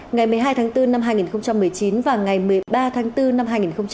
ngày một mươi hai tháng bốn năm hai nghìn một mươi chín và ngày một mươi ba tháng bốn năm hai nghìn hai mươi